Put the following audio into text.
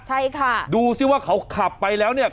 ใช่ค่ะดูซิว่าเขาขับไปแล้วเนี่ย